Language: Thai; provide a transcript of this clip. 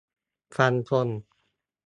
ฟันธง !